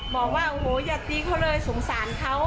บอกว่าโอ้โหอย่าตีเขาเลยสงสารเขา